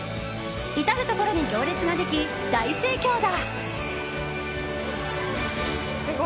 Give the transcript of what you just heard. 至るところに行列ができ大盛況だ。